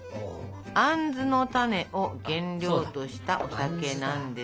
あんずの種を原料としたお酒なんです。